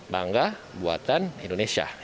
bangga buatan indonesia